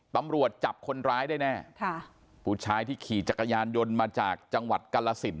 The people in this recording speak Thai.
ตำรวจจับคนร้ายได้แน่ค่ะผู้ชายที่ขี่จักรยานยนต์มาจากจังหวัดกาลสิน